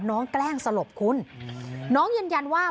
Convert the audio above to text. น้องแกล้งสรบคุ้นน้องยันยันว่า